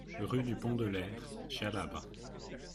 Rue du Pont de l'Hers, Chalabre